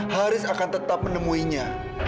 haris akan tetap menemuinya